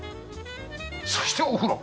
そしてお風呂。